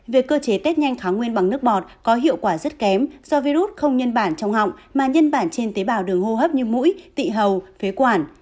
việc cơ chế tết nhanh thoáng nguyên bằng nước bọt có hiệu quả rất kém do virus không nhân bản trong họng mà nhân bản trên tế bào đường hô hấp như mũi tị hầu phế quản